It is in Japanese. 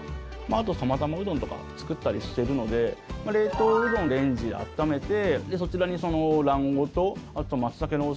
あとは釜玉うどんとか作ったりしてるので冷凍うどんをレンジで温めてそちらに卵黄とあと松茸の味